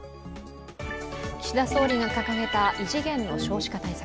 岸田総理が掲げた異次元の少子化対策。